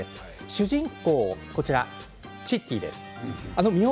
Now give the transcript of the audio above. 主人公チッティです。